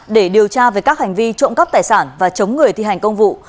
để điều tra về các hành vi trộm cắp tài sản và chống người thi hành công vụ